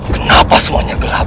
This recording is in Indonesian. kenapa semuanya gelap